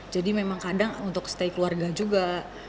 jadi memang kadang untuk stay keluarga juga